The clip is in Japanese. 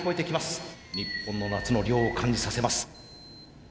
日本の夏の涼を感じさせます。